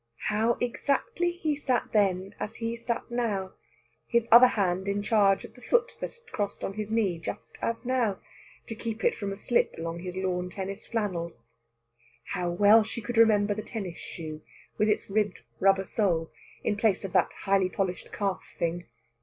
How exactly he sat then as he sat now, his other hand in charge of the foot he had crossed on his knee, just as now, to keep it from a slip along his lawn tennis flannels! How well she could remember the tennis shoe, with its ribbed rubber sole, in place of that highly polished calf thing!